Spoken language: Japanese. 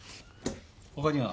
他には？